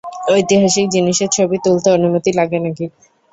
ঐতিহাসিক জিনিসের ছবি তুলতে, অনুমতি লাগে নাকি?